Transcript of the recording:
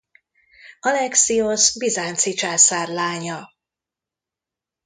Alexiosz bizánci császár lánya.